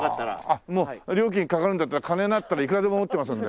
もう料金かかるんだったら金だったらいくらでも持ってますんで。